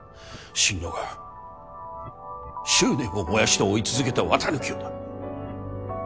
心野が執念を燃やして追い続けた綿貫をだ。